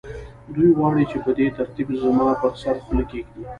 دوی غواړي چې په دې ترتیب زما پر سر خولۍ کېږدي